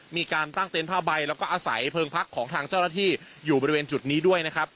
มีการตั้งเต็นต์ผ้าใบแล้วก็อาศัยเพลิงพักของทางเจ้าหน้าที่อยู่บริเวณจุดนี้ด้วยนะครับ